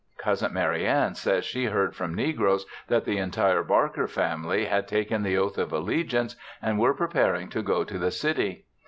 Cousin Marianne says she heard from negroes that the entire Barker family had taken the oath of allegiance and were preparing to go to the city.